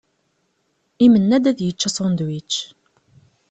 Imenna-d ad yečč asunedwič